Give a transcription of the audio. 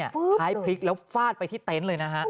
ท้ายพลิกแล้วฟาดไปที่เต็นต์เลยนะฮะ